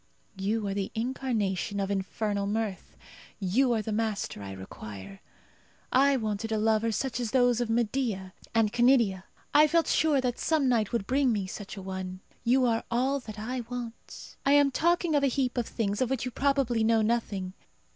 You are the incarnation of infernal mirth. You are the master I require. I wanted a lover such as those of Medea and Canidia. I felt sure that some night would bring me such a one. You are all that I want. I am talking of a heap of things of which you probably know nothing.